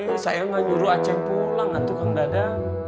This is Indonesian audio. eh saya gak nyuruh aceh pulang nanti kan gak ada